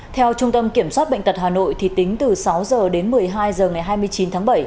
theo trung tâm kiểm soát bệnh tật hà nội tính từ sáu h đến một mươi hai h ngày hai mươi chín tháng bảy